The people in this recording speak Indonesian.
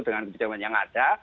dengan kebijakan yang ada